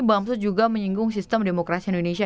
bamsus juga menyinggung sistem demokrasi indonesia